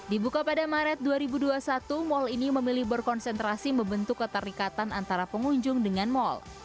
dibuka pada maret dua ribu dua puluh satu mal ini memilih berkonsentrasi membentuk keterikatan antara pengunjung dengan mal